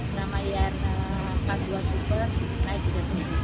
sama yang rp empat puluh dua super naik rp tiga